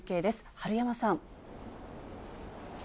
治山さん。